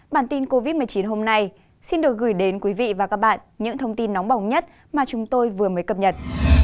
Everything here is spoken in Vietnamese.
bản tin covid một mươi chín hôm nay xin được gửi đến quý vị và các bạn những thông tin nóng bỏng nhất mà chúng tôi vừa mới cập nhật